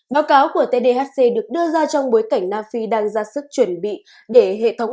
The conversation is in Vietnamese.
báo cáo của tdhc được đưa ra trong bối cảnh nam phi đang ra sức chuẩn bị để hệ thống